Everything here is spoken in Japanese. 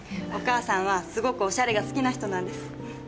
お母さんはすごくオシャレが好きな人なんです。